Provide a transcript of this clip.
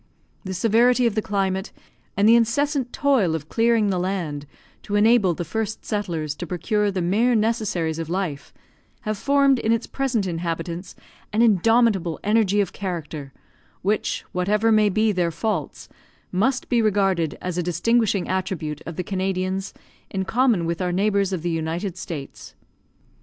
The severity of the climate, and the incessant toil of clearing the land to enable the first settlers to procure the mere necessaries of life, have formed in its present inhabitants an indomitable energy of character, which, whatever may be their faults, must be regarded as a distinguishing attribute of the Canadians, in common with our neighbours of the United States.